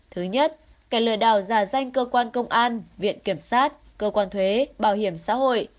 thứ nhất kẻ lừa đảo giả danh cơ quan công an viện kiểm sát cơ quan thuế bảo hiểm xã hội